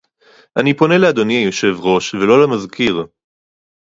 אני פונה לאדוני היושב-ראש ולא למזכיר